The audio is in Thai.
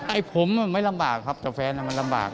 ไอ้ผมไม่ลำบากครับแต่แฟนมันลำบาก